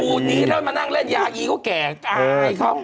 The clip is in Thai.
นี้แล้วมานั่งเล่นยาอีก็แก่กายเขา